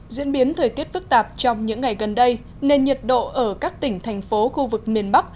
diễn biến thời tiết phức tạp trong những ngày gần đây nên nhiệt độ ở các tỉnh thành phố khu vực miền bắc